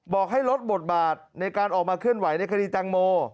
บอกให้ลดบทบาทในการออกมาเคลื่อนไหวในคดีแตงโม